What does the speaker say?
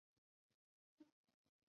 当赍首赴阙。